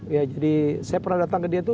ya jadi saya pernah datang ke dia itu